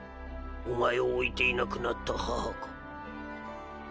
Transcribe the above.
お前を置いていなくなった母か？